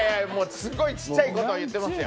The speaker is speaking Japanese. すごい小っちゃいことを言ってますよ。